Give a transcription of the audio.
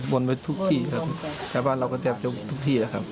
บนไว้ทุกที่ครับภาพบ้านเรากระแจบเจ้าทุกที่ครับ